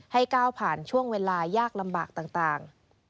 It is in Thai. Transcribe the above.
ก้าวผ่านช่วงเวลายากลำบากต่าง